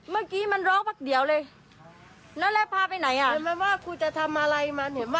เปิดไฟแล้วทำไมต้องพาเด็กอ่ะมันไม่ใช่หน้าที่ของครู